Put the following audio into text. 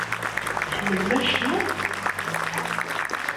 Tḥemmlem ad tecnum?